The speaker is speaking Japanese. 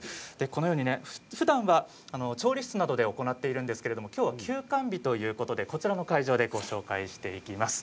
このようにふだんは調理室などで行っているんですがきょうは休館日ということでこちらの会場でご紹介していきます。